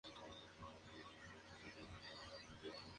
Basada en hechos reales.